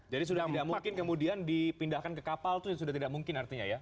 jadi sudah tidak mungkin kemudian dipindahkan ke kapal itu sudah tidak mungkin artinya ya